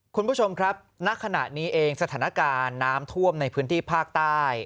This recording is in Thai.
คุณผู้ชมครับณขณะนี้เองสถานการณ์น้ำท่วมในพื้นที่ภาคใต้